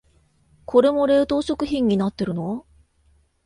これも冷凍食品になってるの？